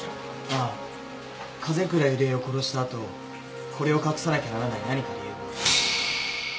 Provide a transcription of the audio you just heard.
あぁ風倉百合恵を殺した後これを隠さなきゃならない何か理由が。